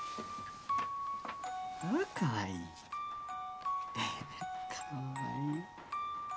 あかわいいかわいい